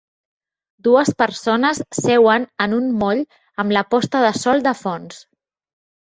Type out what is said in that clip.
Dues persones seuen en un moll amb la posta de sol de fons.